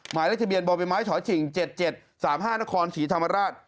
หมายเลขทะเบียนบมฉชิง๗๗๓๕นศรีธรรมราช